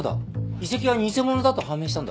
遺跡は偽物だと判明したんだ。